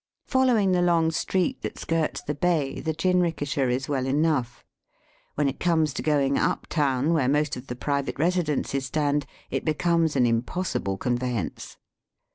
Follow ing the long street that skirts the bay the jinrikisha is well enough. When it comes to going up town, where most of the private residences stand, it becomes an impossible iconveyance.